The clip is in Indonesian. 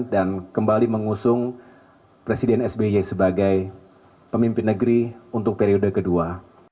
dan kembali mengusung presiden sby sebagai pemimpin negeri untuk periode kedua